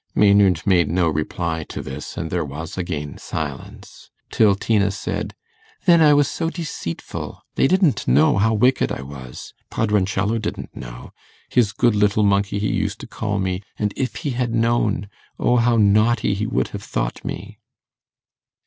Maynard made no reply to this, and there was again silence, till Tina said, 'Then I was so deceitful; they didn't know how wicked I was. Padroncello didn't know; his good little monkey he used to call me; and if he had known, O how naughty he would have thought me!